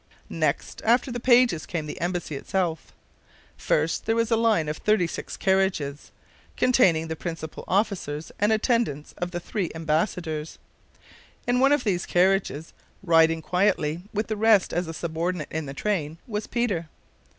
Next after the pages came the embassy itself. First there was a line of thirty six carriages, containing the principal officers and attendants of the three embassadors. In one of these carriages, riding quietly with the rest as a subordinate in the train, was Peter.